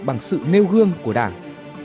bằng sự nêu gương của đảng